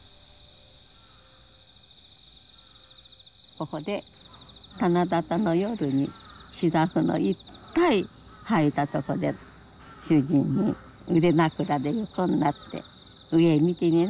ここで七夕の夜に芝生のいっぱい生えたとこで主人に腕枕で横になって「上見てみな。